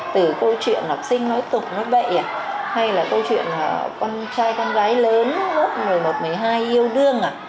từ câu chuyện học sinh nói tục nó bậy hay là câu chuyện con trai con gái lớn một mươi một một mươi hai yêu đương